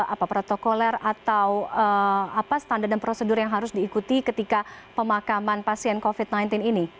apa protokoler atau standar dan prosedur yang harus diikuti ketika pemakaman pasien covid sembilan belas ini